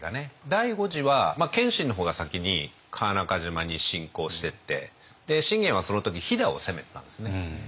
第五次は謙信の方が先に川中島に侵攻してって信玄はその時飛を攻めてたんですね。